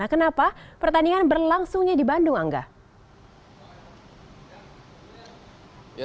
kenapa pertandingan berlangsungnya di bandung angga